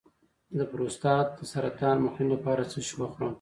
د پروستات د سرطان مخنیوي لپاره څه شی وخورم؟